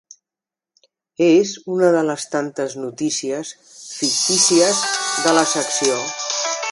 És una de les tantes notícies fictícies de la secció.